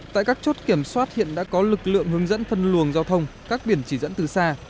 tại các chốt kiểm soát hiện đã có lực lượng hướng dẫn phân luồng giao thông các biển chỉ dẫn từ xa